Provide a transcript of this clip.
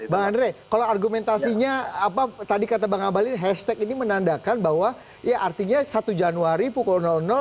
bang andre kalau argumentasinya apa tadi kata bang abalin hashtag ini menandakan bahwa ya artinya satu januari pukul